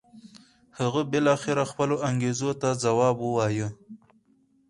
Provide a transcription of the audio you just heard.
هغه بالاخره خپلو انګېزو ته ځواب و وایه.